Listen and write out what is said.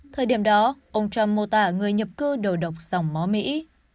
thời điểm đó ông trump mô tả người nhập cư đồ độc dòng mó mỹ